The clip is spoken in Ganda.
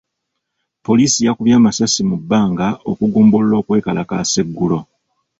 Poliisi yakubye amasasi mu bbanga okugumbulula okwekalakaasa eggulo.